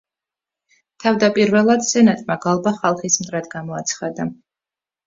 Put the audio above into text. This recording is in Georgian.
თავდაპირველად, სენატმა გალბა ხალხის მტრად გამოაცხადა.